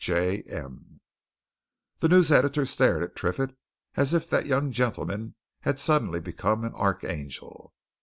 J. M." The news editor stared at Triffitt as if that young gentleman had suddenly become an archangel.